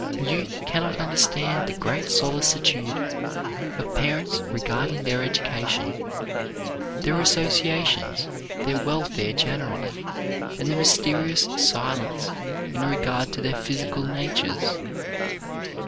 Youth can not understand the great solicitude of parents regarding their education, their associations, their welfare generally, and the mysterious silence in regard to their physical natures.